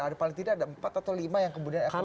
kalau tni kan udah biasa